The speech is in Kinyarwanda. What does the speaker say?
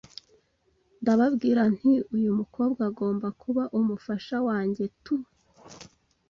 ndababwira nti uyu mukobwa agomba kuba umufasha wanjye tu,